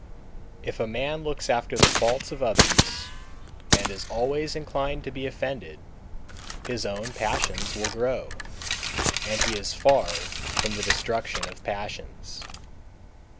253. If a man looks after the faults of others, and is always inclined to be offended, his own passions will grow, and he is far from the destruction of passions.